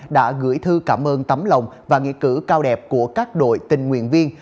đã gửi thư cảm ơn tấm lòng và nghĩa cử cao đẹp của các đội tình nguyện viên